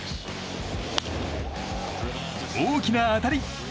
大きな当たり！